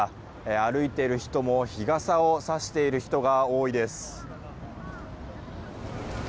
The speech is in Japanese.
歩いている人も日傘をさしている人が多いです。